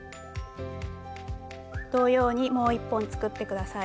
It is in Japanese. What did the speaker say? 同様にもう１本作って下さい。